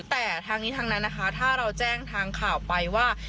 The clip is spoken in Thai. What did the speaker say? แต่ทางนี้ทางนั้นนะคะถ้าเราแจ้งทางข่าวไปว่า